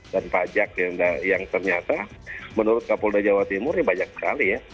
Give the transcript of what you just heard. dan pajak yang ternyata menurut kapolda jawa timur ini banyak sekali ya